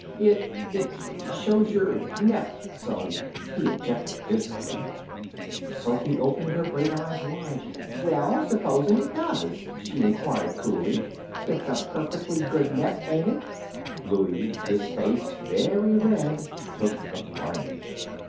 "It it shows your neck so," he objected, miserably. Sophy opened her great eyes wide. "Well, supposin' it does?" she inquired, coolly. "It's a perfectly good neck, ain't it?" Louie, his face very red, took the plunge.